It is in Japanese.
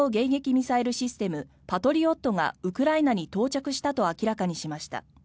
ミサイルシステムパトリオットがウクライナに到着したと明らかにしました。